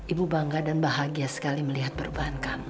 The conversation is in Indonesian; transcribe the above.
ibu bangga dan bahagia sekali melihat perubahan kami